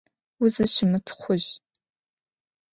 Узыщымытхъужь.